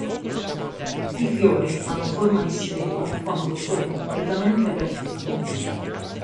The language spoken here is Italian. I fiori hanno forma di stella quando sono completamente aperti.